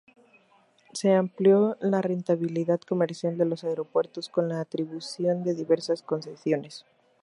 Se amplió la rentabilidad comercial de los aeropuertos, con la atribución de diversas concesiones.